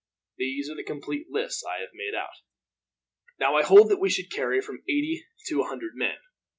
These are the complete lists I have made out. "Now I hold that we should carry from eighty to a hundred men.